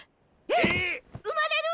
えっ生まれる！？